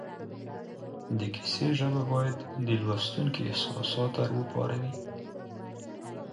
د کیسې ژبه باید د لوستونکي احساسات را وپاروي